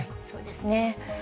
そうですね。